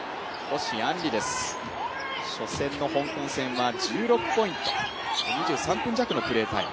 星は初戦の香港戦は１６ポイント、２３分弱のプレータイム。